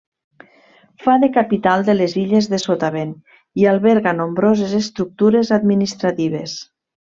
Fa de capital de les Illes de Sotavent, i alberga nombroses estructures administratives.